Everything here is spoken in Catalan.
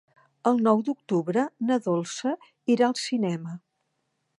El nou d'octubre na Dolça irà al cinema.